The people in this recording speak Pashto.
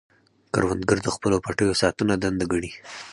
کروندګر د خپلو پټیو ساتنه دنده ګڼي